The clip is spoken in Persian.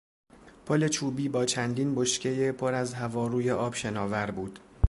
پل چوبی با چندین بشکهی پر از هوا روی آب شناور بود.